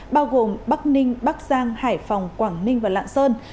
bao gồm bắc ninh bắc giang hải phòng quảng ninh và lạng sơn